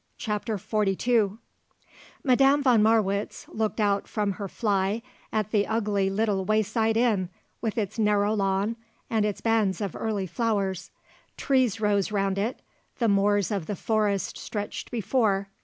_" CHAPTER XLII Madame Von Marwitz looked out from her fly at the ugly little wayside inn with its narrow lawn and its bands of early flowers. Trees rose round it, the moors of the forest stretched before.